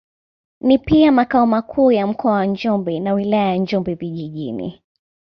Ni pia makao makuu ya Mkoa wa Njombe na Wilaya ya Njombe Vijijini.